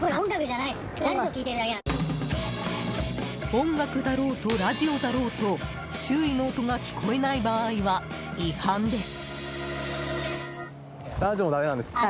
音楽だろうとラジオだろうと周囲の音が聞こえない場合は違反です。